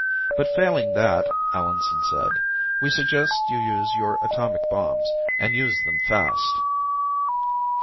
"But failing that," Allenson said, "we suggest you use your atomic bombs, and use them fast."